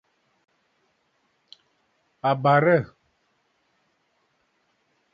A barə̂!